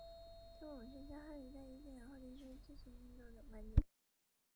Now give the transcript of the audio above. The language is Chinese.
英国天文学家哈雷在一千年后提出自行运动的观点。